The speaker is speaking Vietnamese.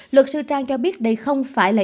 luật sư trang cho biết đây không phải là